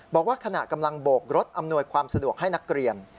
บอกว่าขณะกำลังโบกรถอำนวยความสะดวกให้นักเรียน